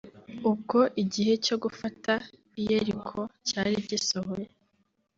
ubwo igihe cyo gufata i yeriko cyari gisohoye